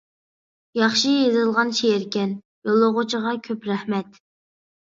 ياخشى يېزىلغان شېئىركەن، يوللىغۇچىغا كۆپ رەھمەت.